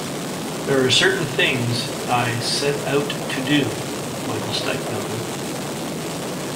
"There are certain things I set out to do," Michael Stipe noted.